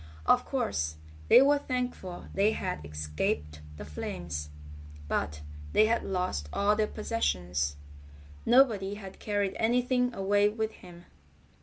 Of course, they were thankful they had escaped the flames, but they had lost all their possessions. Nobody had carried anything away with him.